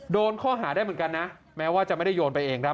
โดนข้อหาได้เหมือนกันนะแม้ว่าจะไม่ได้โยนไปเองครับ